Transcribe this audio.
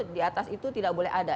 diatas itu tidak boleh ada